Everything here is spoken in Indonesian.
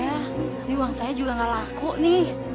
ini uang saya juga gak laku nih